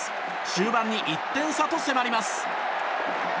終盤に１点差と迫ります。